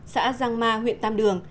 xã giang ma huyện tam đường